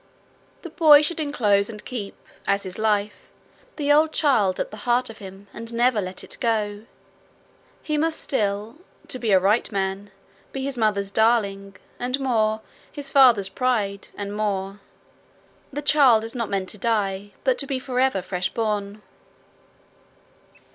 The boy should enclose and keep, as his life, the old child at the heart of him, and never let it go. He must still, to be a right man, be his mother's darling, and more, his father's pride, and more. The child is not meant to die, but to be forever fresh born.